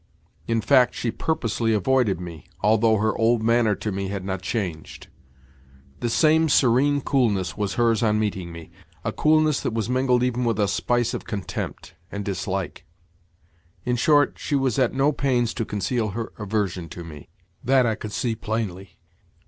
In fact, she purposely avoided me, although her old manner to me had not changed: the same serene coolness was hers on meeting me—a coolness that was mingled even with a spice of contempt and dislike. In short, she was at no pains to conceal her aversion to me. That I could see plainly.